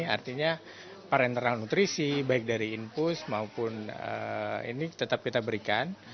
artinya para netral nutrisi baik dari infus maupun ini tetap kita berikan